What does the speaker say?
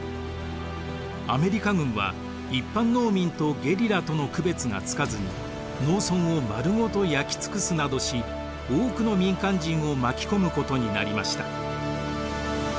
アメリカ軍は一般農民とゲリラとの区別がつかずに農村を丸ごと焼き尽くすなどし多くの民間人を巻き込むことになりました。